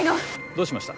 どうしました？